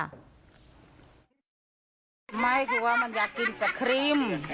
ซจะร้านโทษครับ